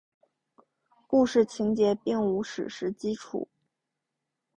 故事情节并无史实基础。